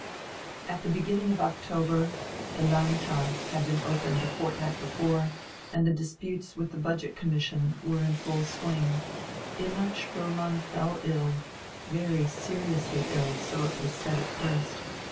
At the beginning of October the Landtag had been opened a fortnight before, and the disputes with the Budget Commission were in full swing Imma Spoelmann fell ill, very seriously ill, so it was said at first.